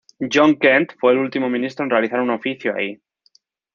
John Kent fue el último ministro en realizar un oficio ahí.